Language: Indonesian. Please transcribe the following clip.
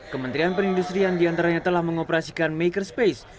kementerian penindustrian diantaranya telah mengoperasikan makerspace